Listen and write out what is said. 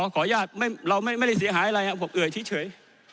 ขออนุญาตเราไม่ได้เสียหายอะไรครับผมเอ่ยเฉย